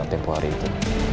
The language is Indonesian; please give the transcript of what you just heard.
tempoh hari itu